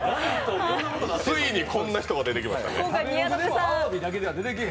ついにこんな人が出てきましたね。